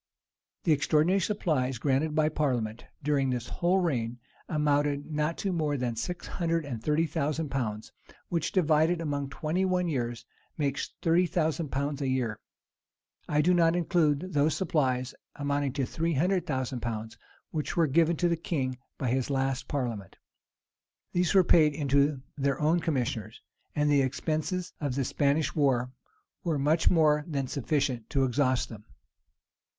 The extraordinary supplies granted by parliament, during this whole reign, amounted not to more than six hundred and thirty thousand pounds; which, divided among twenty one years, makes thirty thousand pounds a year. I do not include those supplies, amounting to three hundred thousand pounds, which were given to the king by his last parliament. These were paid in to their own commissioners; and the expenses of the Spanish war were much more than sufficient to exhaust them.